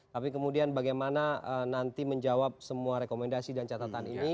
tapi kemudian bagaimana nanti menjawab semua rekomendasi dan catatan ini